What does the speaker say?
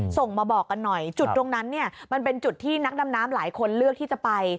ส่งมาบอกกันหน่อยจุดตรงนั้นเนี่ยมันเป็นจุดที่นักดำน้ำหลายคนเลือกที่จะไป